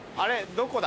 どこだ？